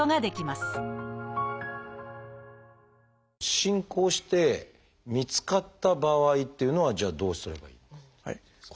進行して見つかった場合っていうのはじゃあどうすればいいのかっていう。